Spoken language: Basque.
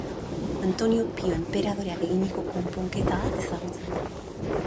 Antonino Pio enperadoreak eginiko konponketa bat ezagutzen da.